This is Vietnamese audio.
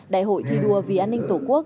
đại hội thi đua vì an ninh tổ quốc